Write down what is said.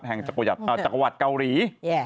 จังหวัดเกาหลี